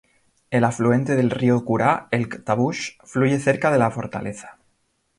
El afluente del río Kurá, el Tavush, fluye cerca de la fortaleza.